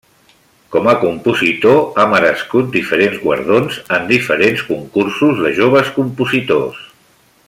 Com a compositor ha merescut diferents guardons en diferents concursos de joves compositors.